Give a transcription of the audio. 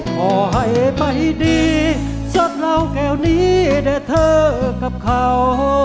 ขอให้ไม่ดีชดเหล่าแก้วนี้ได้เธอกับเขา